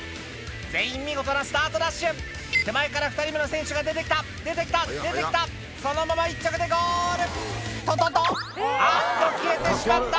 全員見事なスタートダッシュ手前から２人目の選手が出て来た出て来た出て来たそのまま１着でゴール！ととと⁉あっと消えてしまった！